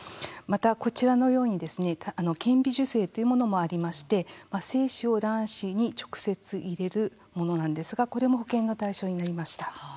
また、こちらのようにですね顕微授精というものもありまして精子を卵子に直接入れるものなんですが、これも保険の対象になりました。